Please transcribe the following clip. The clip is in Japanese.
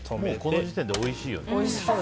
この時点でおいしいよね。